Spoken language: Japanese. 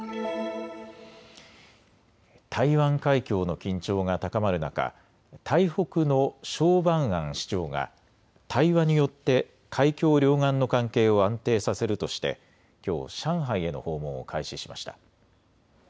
台湾海峡の緊張が高まる中、台北の蒋万安市長が対話によって海峡両岸の関係を安定させるとしてきょう上海への訪問を開始しました。